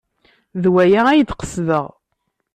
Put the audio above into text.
D waya ay d-qesdeɣ.